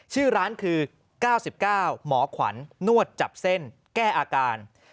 ชื่อร้านคือ๙๙หมอขวัญนวดจับเส้นแก้อาการ